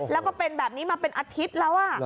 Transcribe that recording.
แล้วก็เป็นแบบนี้มาเป็นอาทิตย์แล้ว